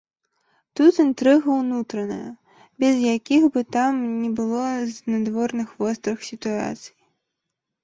Тут інтрыга ўнутраная, без якіх бы там ні было знадворных вострых сітуацый.